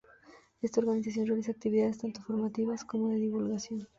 Esta organización realiza actividades tanto formativas como de divulgación.